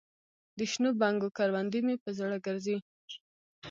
دشنو بنګو کروندې مې په زړه ګرځي